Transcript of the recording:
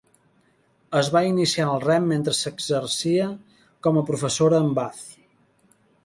Es va iniciar en el rem mentre s'exercia com a professora en Bath.